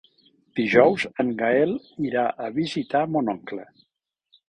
Dijous en Gaël irà a visitar mon oncle.